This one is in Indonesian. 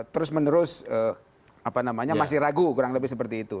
terus menerus masih ragu kurang lebih seperti itu